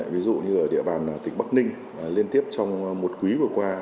ví dụ như ở địa bàn tỉnh bắc ninh liên tiếp trong một quý vừa qua